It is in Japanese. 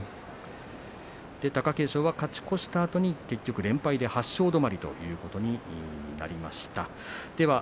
貴景勝は勝ち越したあとに連敗で８勝止まりとなりました。